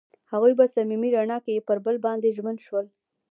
هغوی په صمیمي رڼا کې پر بل باندې ژمن شول.